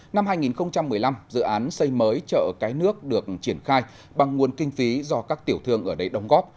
năm hai nghìn một mươi năm dự án xây mới chợ cái nước được triển khai bằng nguồn kinh phí do các tiểu thương ở đây đồng góp